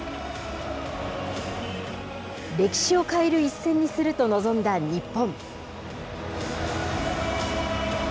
歴史を変える一戦にすると臨んだ日本。